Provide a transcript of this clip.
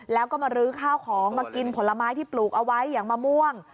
แล้วก็มาลื้อข้าวของมากินผลไม้ที่ปลูกเอาไว้อย่างมะม่วง